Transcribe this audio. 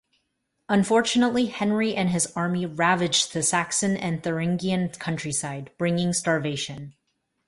Unfortunately, Henry and his army ravaged the Saxon and Thuringian countryside, bringing starvation.